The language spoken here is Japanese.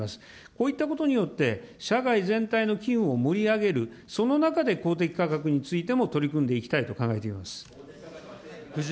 こういったことによって、社会全体の機運を盛り上げる、その中で公的価格についても取り組んでいきたいと考えています。